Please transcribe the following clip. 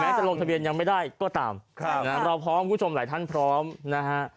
จะลงทะเบียนยังไม่ได้ก็ตามเราพร้อมคุณผู้ชมหลายท่านพร้อมนะฮะ